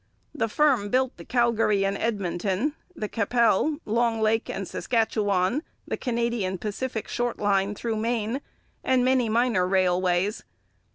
The firm built the Calgary and Edmonton, the Qu'Appelle, Long Lake and Saskatchewan, the Canadian Pacific short line through Maine, and many minor railways.